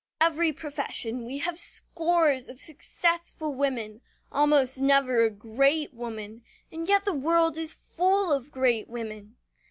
In every profession we have scores of successful women almost never a great woman, and yet the world is full of great women!